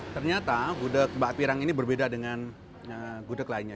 ternyata gudeg mbak pirang ini berbeda dengan gudeg lainnya